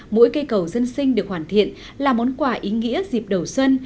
mỗi cây cầu dân sinh được hoàn thiện là món quà ý nghĩa dịp đầu xuân